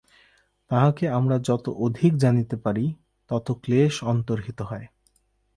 তাঁহাকে আমরা যত অধিক জানিতে পারি, তত ক্লেশ অন্তর্হিত হয়।